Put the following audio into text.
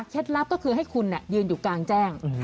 ลับก็คือให้คุณยืนอยู่กลางแจ้ง